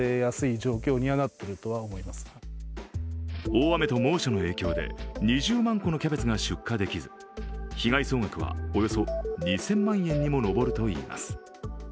大雨と猛暑の影響で２０万個のキャベツが出荷できず被害総額は、およそ２０００万円にも上るといいます。